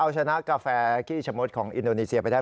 เอาชนะกาแฟกี้ชะมดของอินโดนีเซียไปได้